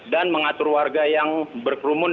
dan mengatur warga yang berkeluargaan